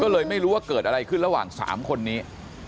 ก็เลยไม่รู้ว่าเกิดอะไรขึ้นระหว่าง๓คนนี้